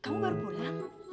kamu baru pulang